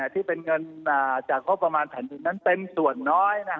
ที่เป็นเงินประมาณจากทัพสินแต่วัดเป็นส่วนน้อย